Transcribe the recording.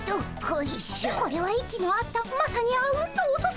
これは息の合ったまさにあうんのおそさ。